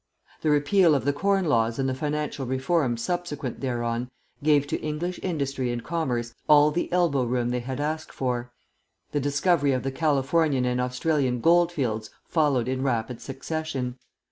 The repeal of the Corn Laws and the financial reforms subsequent thereon gave to English industry and commerce all the elbow room they had asked for. The discovery of the Californian and Australian gold fields followed in rapid succession.